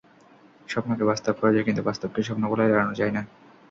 স্বপ্নকে বাস্তব করা যায়, কিন্তু বাস্তবকে স্বপ্ন বলে এড়ানো যায় না।